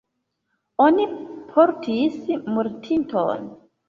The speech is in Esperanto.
Oni portis mortinton.